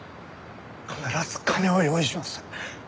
必ず金を用意します。